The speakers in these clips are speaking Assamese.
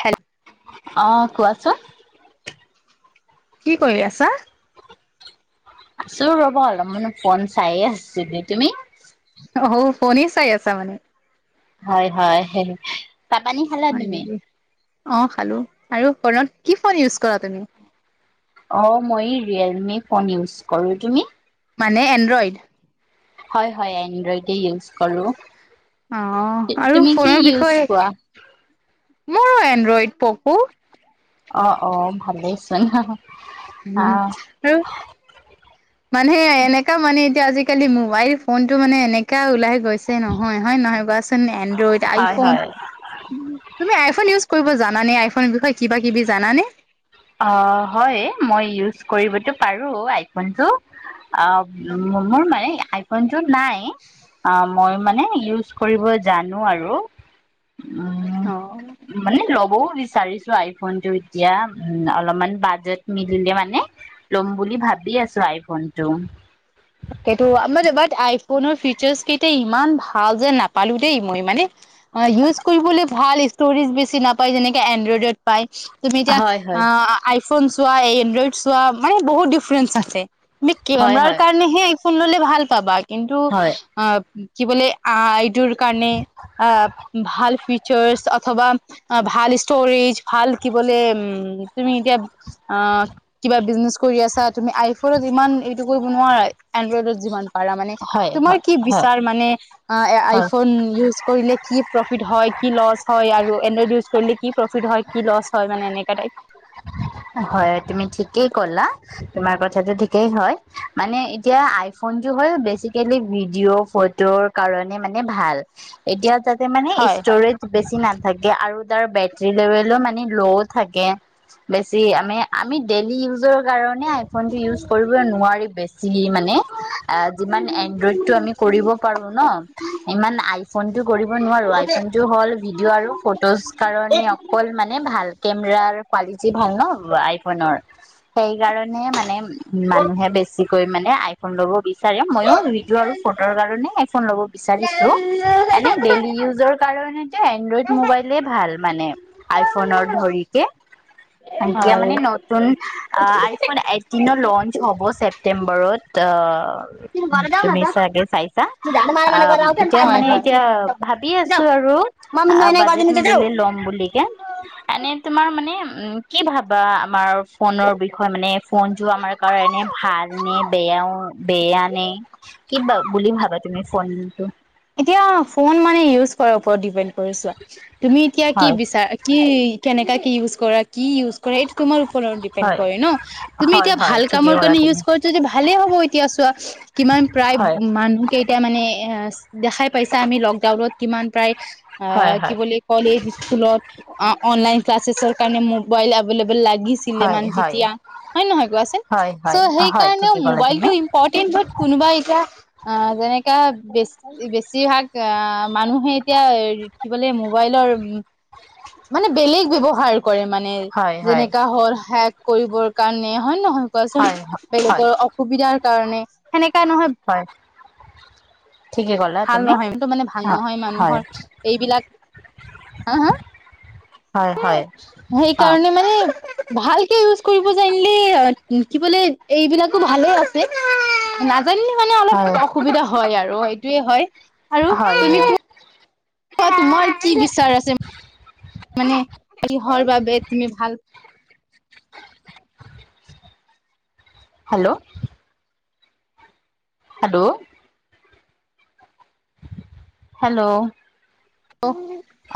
হেল্ অ, কোৱাচোন? কি কৰি আছা? আছোঁ ৰ'ব অলপমান ফোন চাই আছোঁ। তুমি? অ ওকনি চাই আছা মানে? হয়, হয় হে হে চাহ পানী খালে? হয় নেকি, অ খালো আৰু ফোনত কি ফোন ইউজ কৰা তুমি? অঁ মই এই ৰিয়েলমি ফোন ইউজ কৰো। তুমি? মানে এণ্ড্ৰইড হয়, হয়। এণ্ড্ৰইডেই ইউজ কৰোঁ। অহ, আৰু ফোনৰ ইউজ বিষয়, কৰা মোৰো এণ্ড্ৰইড প'ক'। অ, অ ভালেই চোন হ হ হুম, আৰু মানে এনেকা মানে এতিয়া আজিকালি মোবাইল ফোনটো মানে এনেকা ওলাই গৈছে নহয় হয়নে নহয় কোৱাচোন? এনড্ৰইড, হয় আইফোন হয় তুমি আইফোন ইউজ কৰিব জানানে? আইফনৰ বিষয়ে কিবা কিবি জানানে? অ' হয়, মই ইউজ কৰিবতো পাৰোঁ আইফোনটো। আ, মো-মোৰ মানে আইফোনটো নাই, অ' মই মানে ইউজ কৰিব জানো আৰু। উম অ মানে ল'বও বিচাৰিছোঁ আইফোনটো এতিয়া। উম, অলপমান বাজেট মিলিলে মানে ল'ম বুলি ভাবি আছোঁ আইফোনটো। সেইটো আমাৰ এবাৰ আইফোনৰ ফিচাৰ্চ কেইটা ইমান ভাল যে নাপালোঁ দেই। মই মানে হয়, ইউজ কৰিবলৈ ভাল, ষ্টৰেজ বেছি নাপায়, যেনেকে এনড্ৰইডত পায়। তুমি এতিয়া হয় হয় আ-আইফোন চোৱা, এনড্ৰইড চোৱা মানে বহুত ডিফাৰেণ্ট আছে। তুমি হয় কেমেৰাৰ হয় কাৰণেহে আইফোন ল'লে ভাল পাবা, কিন্তু হয় আ, কি বুলি আই টোৰ কাৰণে আ, ভাল ফিচাৰ্ছ অথবা আ, ভাল ষ্টৰেজ ভাল কি বোলে উম তুমি এতিয়া আ-কিবা বিজনেছ কৰি আছা, তুমি আইফোনত যিমান এইটোকো [unintelligible] এনড্ৰইডত যিমান পাৰা মানে, হয় তোমাৰ হয় কি হয় বিচাৰ মানে আ, এ, হয় আইফোন ইউজ কৰিলে কি প্ৰফিট হয়, কি লছ হয় আৰু এনড্ৰইড ইউজ কৰিলে কি প্ৰফিট হয়, কি লছ হয়, মানে এনেকা টাইপ। হয়, তুমি ঠিকেই ক'লা। তোমাৰ কথাটো ঠিকেই হয়। মানে এতিয়া আইফোনটো হ'ল বেচিকেলি ভিডিঅ', ফটোৰ কাৰণে মানে ভাল, এতিয়া তাতে মানে টাইপ হয় ষ্ট'ৰেজ বেছি নাথাকে আৰু তাৰ বেটেৰী লেভেলো মানে ল'ও থাকে। বেছি আমি আমি ডেইলি ইউজৰ কাৰণে আইফোনটো ইউজ কৰিব নোৱাৰি বেছ চিলি মানে, আ, যিমান এণ্ডৰইডটো আমি কৰিব পাৰোঁ ন' সিমান আই ফোনটো কৰিব নোৱাৰোঁ, আইফোনটো হ'ল ভিডিঅ' আৰু ফ ট'জ কাৰণে অকল মানে ভাল কেমেৰাৰ কোৱালিটি ভাল ন' আইফোনৰ সেই কাৰণে মানে উ, মানুহে বেছিকৈ মানে আইফোন ল'ব বিচ বিচাৰে, মইও ভিডিঅ' আৰু ফটোৰ কাৰণে আইফোন ল'ব বিচাৰিছোঁ, এনে ডেইলি ইউজৰ কাৰণ যে, এনড্ৰইড মোবাইলে ভাল মানে আইফনৰ ধৰিকে। এতিয়া মানে ন নতুন আইফোন এইটটিনত লঞ্চ হ'ব ছেপটেম্বৰত। তুমি চাগে চাইছা আহ এতিয়া মানে এতিয়া হয় ভাবি আছ ভাবিছোঁ আৰু বাজেট আ, বাজেট মিলিলে ল'ম বুলিকে। এনে তোমাৰ মানে উ কি ভাবা, আমাৰ ফোনৰ বিষয়ে মানে ফোনটো আমাৰ কাৰনে ভাল নে বেয়াও বেয়া নে কি বা বুলি ভাবা তুমি ফোনটো? এতিয়া ফোন মানে ইউজ কৰাৰ ওপৰত ডিপেণ্ড কৰে চোৱা, তুমি এতিয়া কি হয় বিচাৰ কি কেনেকা কি ইউজ কৰা, কি ইউজ কৰা এইটো তোমাৰ ওপৰত ডিপেণ্ড হয় কৰে ন'। তুমি হয় এতিয়া হয় ভাল ঠিকেই কামৰ ক'লা কাৰণে ইউজ তুমি কৰি তে ভালেই হ'ব, এতিয়া চোৱা কিমান প্ৰায় হয় মানুহ কেইটা মানে এ, দেখাই পাইছা আমি লকডাউনত কিমান প্ৰায় আ, হয় কি হয় বুলি কলেজ স্কুলত অ-অনলাইন ক্লাছেছৰ কাৰণে মোবাইল এবলেবল লাগিছিলে হয় মান হয় তেতিয়া হয় নহয় কোৱাচোন? হয় চ' হয় সেই হয় কাৰণেও ঠিকে ক'লা মবাইলটো তুমি ইম পৰ্টেন্ত হওক, কোনোবা এতিয়া আ, যেনেকা বেছ বেছিভাগ আ, মানুহে এতিয়া এ, বুলে মোবাইলৰ মানে বেলেগ ব্যৱহাৰ কৰে মানে হয় হয় যেনেকা হ'ল হেক কৰিবৰ কাৰণে হয়ে নহয়। কোৱাচোন, হয় হয় বেলেগৰ অসুবিধাৰ কাৰণে সেনেকা নহয়। হয়। ঠিকে ক'লা ভাল তুমি নহয়, সেইটো মানে ভাল অ নহয় হয় মানুহৰ এইবিলাক হা, হা, ! হয় হয় অ সেইকাৰণে মানে- ভালকে ইউজ কৰিব জানিলে কি বোলে এইবিলাকো ভালে আছে। জানিলে মানে অলপ হয় অসুবিধা হয় আৰু সটোয়ে হয়। আৰু হয় তুমি হয়। তোমাৰ কি বিচাৰ আছে, মানে কিহৰ বাবে তুমি ভাল hello. 'Hello. 'Hello. অ [unintelligible]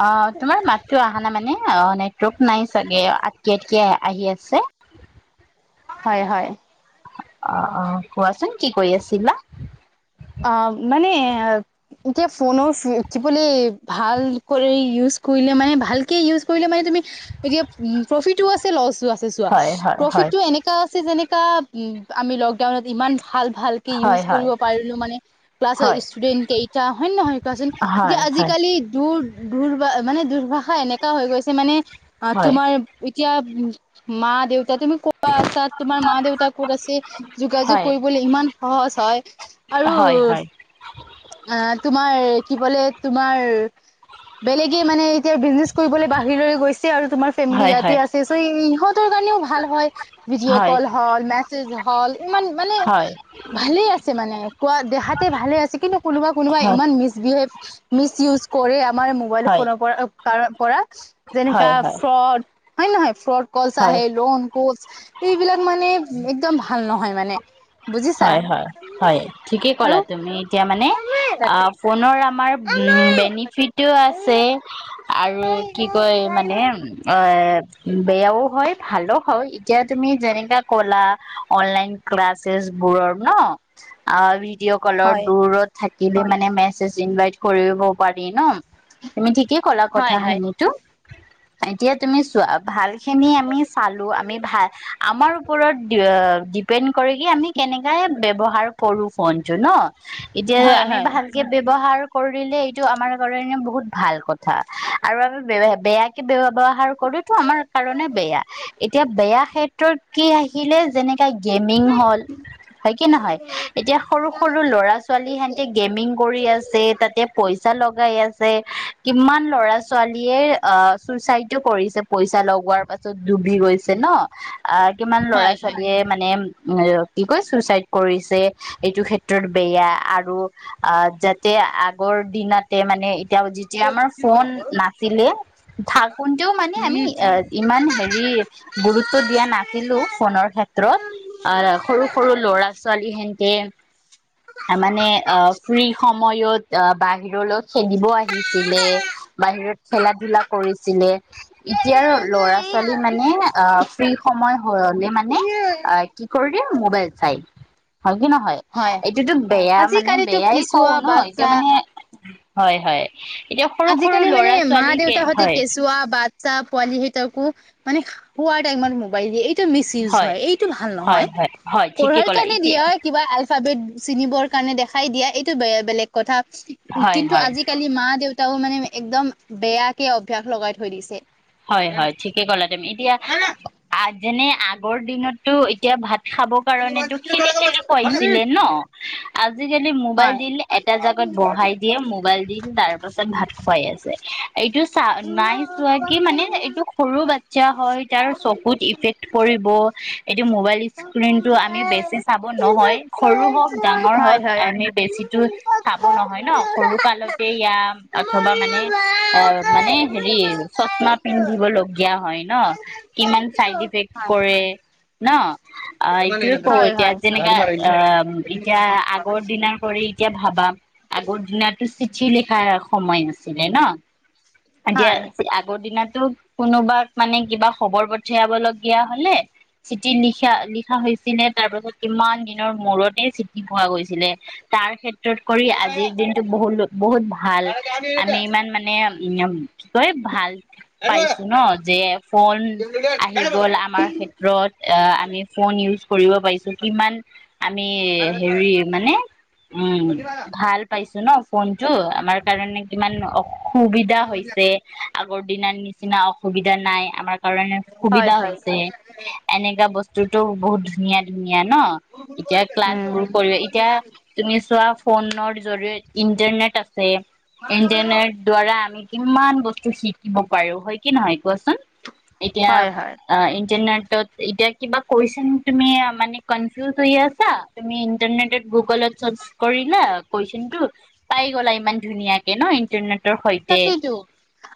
অ' তোমাৰ মাততো আহা নাই মানে অ' নেটৱৰ্ক নাই চাগে আটতিয়ে আটতিয়ে আহি আছে। হয় হয়। অ' অ' কোৱাচোন কি কৰি আছিলা! অ' মানে- এতিয়া ফোনৰ কি বুলিলে ভালকৰি ইউজ কৰিলে মানে ভালকে ইউজ কৰিলে মানে তুমি- এতিয়া উম প্ৰফিতো আছে লছো আছে। এতিয়া চোৱা হয় হয় হয় প্ৰফিটো এনেকুৱা আছে যেনেকা উ আমি লডাউনত ইমান- ভাল ভালকে হয় ইউজ কৰিব পাৰো। মানে ক্লাছৰ হয় ষ্টুডেন্ট কেইটা, হয় নহয় কোৱাচোন! এতিয়া হয় হয় আজিকালি দূৰ- দুৰভা, মানে দুুৰভাষা এনেকা হৈ গৈছে মানে হয় হয় তোমাৰ- এতিয়া উম, মা-দেউতা তুমি ক- তোমাৰ মা দেউতা ক'ত আছে যোগাযোগ কৰিবলৈ ইমান সহজ হয়। আৰু হয় হয় আহ' তোমাৰ কি বোলে তোমাৰ- বেলেগে মানে এতিয়া বিজনেছ কৰিবলৈ বাহিৰলৈ গৈছে। আৰু তোমাৰ ফেমিলি হয় হয় ইয়াতে আছে'চৌ সিহঁতৰ কাৰণেও ভাল হয় ভিডিঅ' হয় হয় কল হল- হ'ল ইমান মানে, হয় হয় হয় ভালে আছে মানে, কোৱা দেহাতে ভালে আছে কিন্তু কোনোবা কোনোবা ইমান মিচবিহেভ মিচ ইউজ কৰে আমাৰ- মবাইল ফোনৰ পৰা, যেনেকা হয় হয় ফ্ৰড হয় নহয় ফ্ৰড। কলচ হয় আহে, লোন পোচ ইবিলাক মানে একদম ভাল নহয় মানে বুজিছা। হয় হয় হয় ঠিকে আৰু ক'লা তুমি। এতিয়া মানে অ ফোনৰ আমাৰ উম বেনিফিটটো আছে আৰু কি কয় মানে। অহ, বেয়াও হয় ভালো হয় এতিয়া তুমি যেনেকা ক'লা অনলাইন। ক্লাছেছ বোৰৰ ন ভিডিঅ' কলৰ হয় দূৰত। থাকিলে মানে মেছেজ ইনভাইট কৰিব পাৰি ন। তুমি ঠিকেই ক'লা হয় হয় কথাখিনিতো। এতিয়া তুমি চোৱা ভাল খিনি আমি চালো, আমি ভাল আমাৰ ওপৰত। ডিপেন কৰিকে আমি কেনকাই ব্যৱহাৰ কৰোঁ ফোনটো ন। এতিয়া হয় আমি হয় ভাল ব্যৱহাৰ কৰিলে এইটো আমাৰ কাৰণে বহুত ভাল কথা। আৰু আমি বেয়া বৱহাৰ কৰোতো আমাৰ কাৰণে বেয়া। এতিয়া বেয়া ক্ষেত্ৰত কি আহিলে যেনেকা গেমিং হল, হয় কি নহয়, এতিয়া সৰু সৰু ল'ৰা-ছোৱালী ছোৱালী সহতে গেমিং কৰি আছে তাতে পইচা লগাই আছে কিমান ল'ৰা-ছোৱালী ছোৱালীয়ে অ চুইচাইডো কৰিছে, পইচা লগোৱাৰ পাছত ডুবি গৈছে নহ। আ, কিমান ল'ৰা হয় হয় ছোৱালীয়ে মানে উম, কি কয় চুচাইদ কৰিছে এইটো ক্ষেত্ৰত বেয়া আৰু অহ, আগতে আগৰ দিনতে মানে এতিয়া যেতিয়া আমাৰ ফোন নাছিলে থাকোনতেও মানে আমি ইমান হেৰি গুৰুত্ব দিয়া নাছিলো ফোনৰ ক্ষেত্ৰ ত্ৰত আ সৰু -সৰু ল'ৰা ছোৱালী হেনকে মানে আহ ফ্ৰী সময়ত আহ বাহিৰলৈ খেলিব আহিছিলে, বাহিৰত খেলা ধূলা কৰিছিলে। এতিয়াৰ ল'ৰা- ছোৱালী মানে ফ্ৰী সময় হলে মানে উম আহ, কি কৰি দিয়ে মোবাইল চাই। হয় কি নহয়? হয় এইটোতো বেয়া মানে আজিকালিতো বেয়াই কেঁচুৱা কওঁ নহ। বাচ্ছা এতিয়া মানে হয়, হয়। এতিয়া সৰু সৰু আজিকালি মানে ল'ৰা মা- ছোৱালীকে দেউতাহঁতে হয় কেঁচুৱা বাট চা পোৱালি হেতকো মানে খোৱা টাইমত মোবাইল দিয়ে, এইটো মিছ ইউজ হয়। এইতো ভাল হয় নহয় হয় হয় ঠিকে পঢ়াৰ ক'লা কাৰনে এতিয়া দিয়া কিবা এলফাবেট চিনিবৰ কাৰণে দেখাই দিয়া, এইটো বেলেগ কথা। হয় কিন্তু হয় আজিকালি মা- দেউতাও মানে একদম বেয়াকে অভ্যাস লগাই থৈ দিছে। হয়, হয় ঠিকে ক'লা তুমি, এতিয়া আহ যেনে আগৰ দিনতো এতিয়া ভাত খাব কাৰণতো খেলি -খেলি খোৱাইছিলে ন। আজিকালি মোবাইল হয় দিলে এটা জাগাত বঢ়াই দিয়ে মোবাইল দি তাৰ পাছত ভাত খুৱাই আছে। এইটো চা নাই চোৱা কি মানে এইটো সৰু বাচ্ছা হয়, তাৰ চকুত ইফেক্ট কৰিব এইটো মোবাইল ইচ স্ক্ৰীনটো আমি বেছি চাব নহয়, সৰু হওক ডাঙৰ হয় হওঁক হয় আমি বেছি টো চাব নহয় ন, সৰু কালতে এইয়া অথবা মানে অ মানে হেৰি চচ্ মা পিন্ধিব লগীয়া হয় ন, কিমান চাইড ইফেক্ট হয় কৰে নহ। অ এইটোৱে কও হয় এতিয়াত যেনেকা অ এতিয়া আগৰ দিনাৰ কৰি এতিয়া ভাবা আগৰ দিনাতো চিঠি লিখাৰ সময় আছিলে ন। এতিয়া হয় আগৰ দিনা টো কোনোবাক মানে কিবা খবৰ পঠিয়াব লগীয়া হলে চিঠিত লিখা লিখা হৈছিলে, তাৰপিছত কিমান দিনৰ মূৰতে চিঠি পোৱা গৈছিলে। তাৰ ক্ষেত্ৰত কৰি আজিৰ দিনটো বহুত বহুত ভাল আমি ইমান মানে উম, কি কয় ভাল পাইছো ন যে ফোন আহি গল আমাৰ ক্ষেত্ৰত, আ আমি ফোন ইউজ কৰিব পাৰিছো কিমান আমি হেৰি মানে উম, ভাল পাইছো ন ফোনটো আমাৰ কাৰণে কিমান অ', সুবিধা হৈছে। আগৰ দিনাৰ নিচিনা অসুবিধা নাই, আমাৰ কাৰণে হয় হয় সুবিধা হয় হৈছে। এনেকা বস্তুটো বহুত ধুনীয়া ধুনীয়া ন। এতিয়া উম ক্লাছবোৰ কৰে এতিয়া তুমি চোৱা, ফোনৰ জৰিয়ত ইণ্টাৰনেট আছে, ইণ্টাৰনেট দ্বাৰা আমি কিমান বস্তু শিকিব পাৰো, হয় কি নহয় কোৱাচোন? এতিয়া হয় হয় অ', ইণ্টাৰনেটত এতিয়া কিবা কুৱেচন তুমি মানে, কনফিউজ হৈ আছা তুমি ইণ্টাৰনেটত গুগলত চাৰ্চ কৰিলা কুৱেচনটো পাই গ'লা ইমান ধুনীয়াকে ন, ইণ্টাৰনেটৰ সৈতে তাকেইতো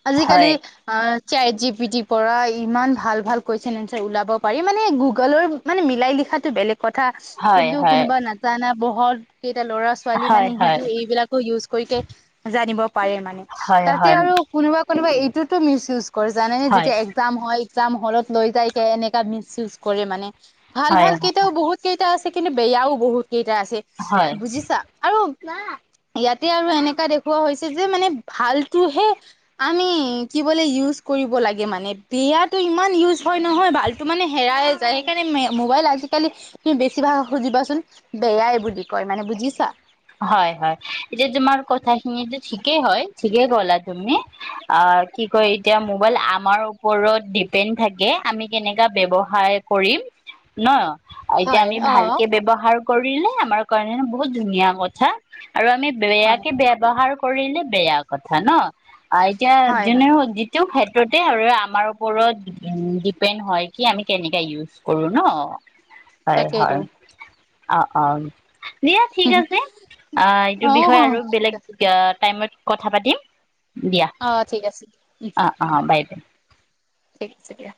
আজিকালি হয় অ', চেট জি পি টিৰ পৰা ইমান ভাল ভাল কুৱেচন এনচাৰ ওলাব পাৰি। মানে, গুগলৰ মানে মিলাই লিখাটো বেলেগ। কথা, হয় কিন্তু হয় কোনোবা নাজানা বহত কেইটা ল'ৰা ছোৱালী মানে হয় ইহঁতো হয় এইবিলাক ইউজ কৰিকে জানিব পাৰে মানে, হয় তাতে আৰু কোনোবা কোনোবা এইটোতো মিচ ইউজ তৰ জানে নে হয় যেতিয়া এক্সাম হয়, এক্সাম হ'লত লৈ যায় কে এনেকা মিচ ইউজ কৰে মানে। ভাল হয় ভাল হয় কেইটাও বহুত কেইটা আছে, কিন্তু বেয়াও বহুত কেইটা আছে হয় বুজিছা। আৰু ইয়াতে আৰু এনেকা দেখুওৱা হৈছে যে মানে ভালটোহে আমি কি বোলে ইউজ কৰিব লাগে মানে, বেয়াটো ইমান ইউজ হয় নহয়, ভাল টো মানে হেৰাই যায়, সেইকাৰণে মে মোবাইল আজিকালি তুমি বেছিভাগ সুধিবাচোন বেয়াই বুলি কয় মানে বুজিছা? হয়, হয়। এতিয়া তোমাৰ কথাখিনিটো ঠিকে হয়, ঠিকেই ক'লা তুমি। অ', কি কয় এতিয়া মোবাইল আমাৰ ওপৰত ডিপেণ্ড থাকে, আমি কেনেকা ব্যৱহাৰ কৰিম ন? এতিয়া হয় আমি অ'। ভালকে ব্যৱহাৰ কৰিলে আমাৰ কাৰণে বহুত ধুনীয়া কথা। আৰু আমি হয় বেয়াকে ব্যৱহাৰ কৰিলে বেয়া কথা ন। আ এতিয়া হয় হয় যেনে হওঁক যি টো ক্ষেত্ৰতে আৰু আমাৰ ওপৰত ডিপেণ্ড হয় কি আমি কেনেকা ইউজ কৰো ন। হয়, হয়। তাকেইতো অ', অ', দিয়া ঠিক আছে। অ', এইটোৰ বিষয়ে অ' আৰু ঠিক বেলেগ আছে দিয়া। টাইমত কথা পাতিম দিয়া। অ', ঠিক আছে। অ', অ', বাই দে। ঠিক আছে দিয়া।